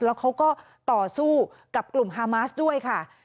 แล้วเขาก็ต่อสู้กับกลุ่มฮามาสด้วยค่ะ